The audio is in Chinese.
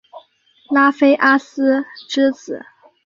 拉菲阿斯之子。